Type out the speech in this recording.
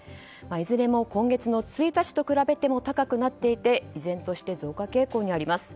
いずれも今月の１日と比べても高くなっていて依然として増加傾向にあります。